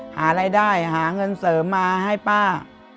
หารายได้หาเงินเสริมมาให้ป้า